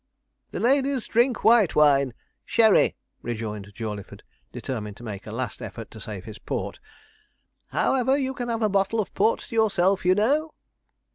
'The ladies drink white wine sherry,' rejoined Jawleyford, determined to make a last effort to save his port. 'However, you can have a bottle of port to yourself, you know.'